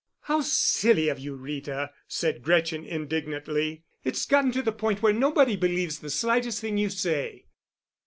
"How silly of you, Rita," said Gretchen indignantly. "It's gotten to the point where nobody believes the slightest thing you say."